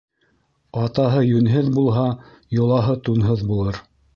Атаһы йүнһеҙ булһа, йолаһы тунһыҙ булыр.